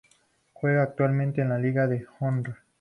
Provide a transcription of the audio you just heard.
Juega actualmente en la Liga de Honra.